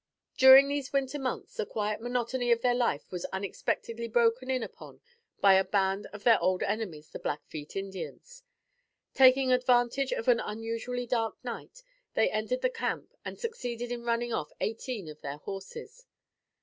During these winter months, the quiet monotony of their life was unexpectedly broken in upon by a band of their old enemies, the Blackfeet Indians. Taking advantage of an unusually dark night they entered the camp and succeeded in running off eighteen of their horses.